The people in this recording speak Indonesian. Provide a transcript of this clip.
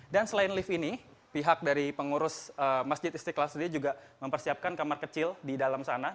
dan selain lift ini pihak dari pengurus masjid istiqlal sendiri juga mempersiapkan kamar kecil di dalam sana